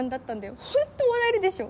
ホント笑えるでしょ？